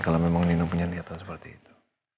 kalau memang dino punya kelihatan seperti itu